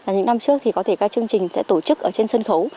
những năm trước có thể các chương trình sẽ tổ chức trên sân khấu